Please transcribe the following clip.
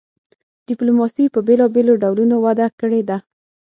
ډیپلوماسي په بیلابیلو ډولونو وده کړې ده